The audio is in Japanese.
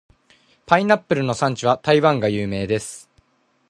パイナップルの産地は台湾が有名です。